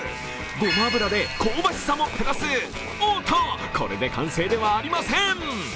ごま油で香ばしさもプラス、おっと、これで完成ではありません。